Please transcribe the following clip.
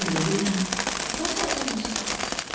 どうされたんですか？